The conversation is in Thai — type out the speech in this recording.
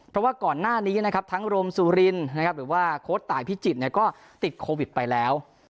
เพราะว่าก่อนหน้านี้นะครับทั้งโรมสุรินหรือว่าโค้ดตายพิจิตรก็ติดโควิดไปแล้ว